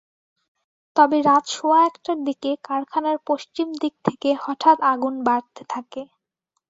তবে রাত সোয়া একটার দিকে কারখানার পশ্চিম দিক থেকে হঠাত্ আগুন বাড়তে থাকে।